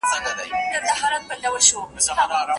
ايا زوی به ساعت وپلوري؟